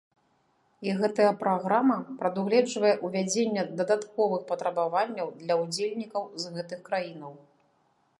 І гэтая праграма прадугледжвае ўвядзенне дадатковых патрабаванняў для ўдзельнікаў з гэтых краінаў.